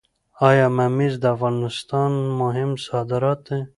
آیا ممیز د افغانستان مهم صادرات دي؟